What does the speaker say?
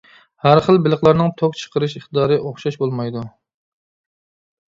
ھەر خىل بېلىقلارنىڭ توك چىقىرىش ئىقتىدارى ئوخشاش بولمايدۇ.